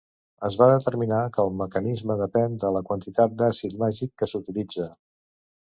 Es va determinar que el mecanisme depèn de la quantitat d'àcid màgic que s'utilitza.